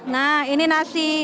nah ini nasi